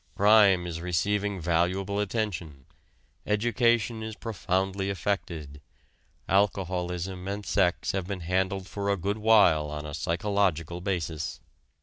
Crime is receiving valuable attention, education is profoundly affected, alcoholism and sex have been handled for a good while on a psychological basis.